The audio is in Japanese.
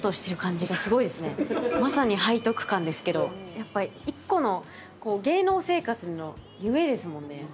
やっぱ１個の芸能生活の夢ですもんね。